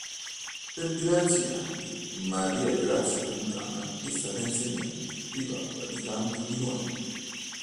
Per diversi anni Maria Grazia Fontana è stata insegnante privata di canto di Noemi.